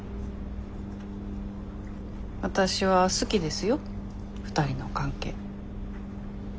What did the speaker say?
わたしは好きですよ２人の関係。